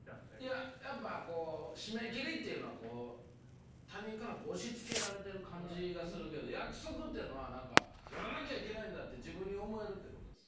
いややっぱこう締め切りっていうのは他人から押しつけられてる感じがするけど約束っていうのはやらなきゃいけないんだって自分に思えるってことです。